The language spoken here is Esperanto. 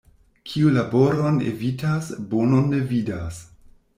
Kiu laboron evitas, bonon ne vidas.